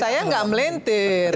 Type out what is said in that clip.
saya nggak melintir